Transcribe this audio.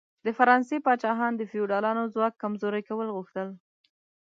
د فرانسې پاچاهان د فیوډالانو ځواک کمزوري کول غوښتل.